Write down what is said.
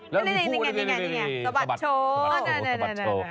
สะบัดโชว์